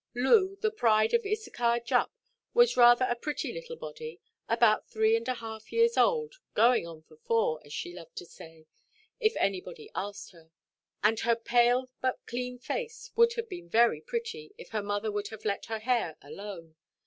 Loo, the pride of Issachar Jupp, was rather a pretty little body, about three and a half years old, "going on for four," as she loved to say, if anybody asked her; and her pale but clean face would have been very pretty, if her mother would have let her hair alone.